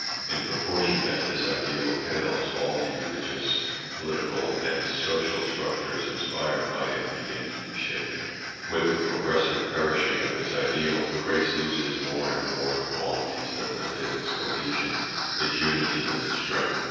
In proportion as this ideal pales all the religious, political, and social structures inspired by it begin to be shaken. With the progressive perishing of its ideal the race loses more and more the qualities that lent it its cohesion, its unity, and its strength.